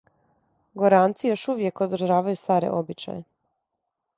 Горанци још увијек одржавају старе обичаје